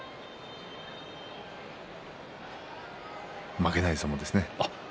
負けない相撲ですね。